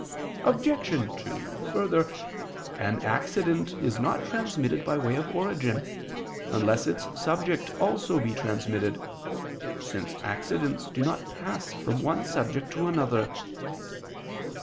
Obj. 2: Further, an accident is not transmitted by way of origin, unless its subject be also transmitted, since accidents do not pass from one subject to another.